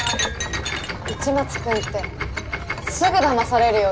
市松君ってすぐだまされるよね。